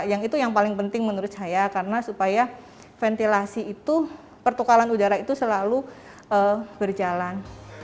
yang itu yang paling penting menurut saya karena supaya ventilasi itu pertukalan udara itu selalu berjalan